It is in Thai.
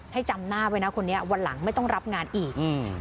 จำหน้าไว้นะคนนี้วันหลังไม่ต้องรับงานอีก